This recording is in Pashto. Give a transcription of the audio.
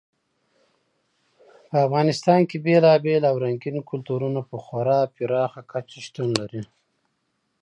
په افغانستان کې بېلابېل او رنګین کلتورونه په خورا پراخه کچه شتون لري.